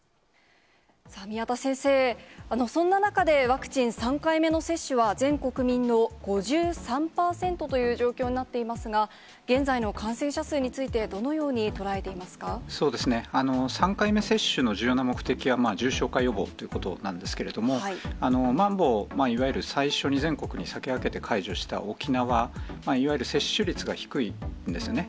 宮田先生、そんな中で、ワクチン３回目の接種は全国民の５３％という状況になっていますが、現在の感染者数について、そうですね、３回目接種の重要な目的は重症化予防ということなんですけれども、まん防、いわゆる最初に全国に先駆けて解除した沖縄、いわゆる接種率が低いんですよね。